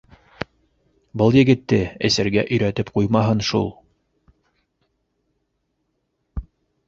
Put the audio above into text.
Был егетте эсергә өйрәтеп ҡуймаһын шул!